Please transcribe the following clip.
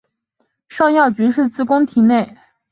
尚药局是自宫廷内主管药品的官职发展而来的机构。